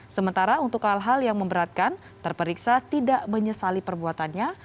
sementara untuk hal hal yang memberatkan terperiksa tidak menyesali perbuatannya